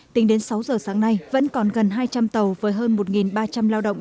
tính đến sáu giờ sáng nay vẫn còn gần hai trăm linh tàu với hơn một ba trăm linh lao động